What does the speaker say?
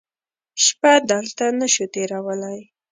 شپه دلته نه شو تېرولی.